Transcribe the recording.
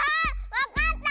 わかった！